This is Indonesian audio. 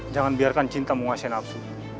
jangan biarkan cinta menguasai nafsu